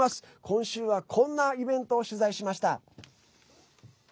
今週は、こんなイベントを取材しました。